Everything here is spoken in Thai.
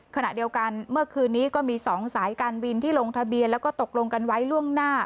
ขณะเดียวกันเมื่อคืนนี้ก็มี๒สายการบินที่ลงทะเบียนแล้วก็ตกลงกันไว้ล่วงหน้า